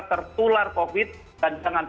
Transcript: tertular covid dan jangan